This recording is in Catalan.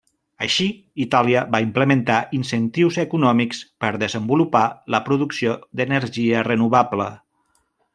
Així, Itàlia va implementar incentius econòmics per desenvolupar la producció d'energia renovable.